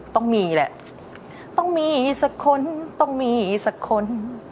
ต้องมีแหละต้องมีสักคนต้องมีสักคน